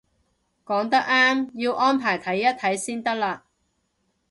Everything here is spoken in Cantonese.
講得啱，要安排睇一睇先得嘞